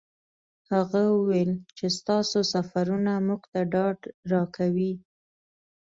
هغه وویل چې ستاسو سفرونه موږ ته ډاډ راکوي.